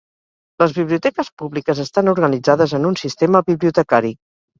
Les biblioteques públiques estan organitzades en un sistema bibliotecari.